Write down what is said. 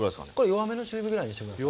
弱めの中火ぐらいにして下さい。